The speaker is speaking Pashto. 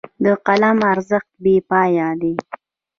د قلم ارزښت بې پایانه دی.